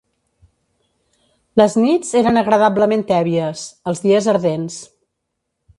Les nits eren agradablement tèbies, els dies ardents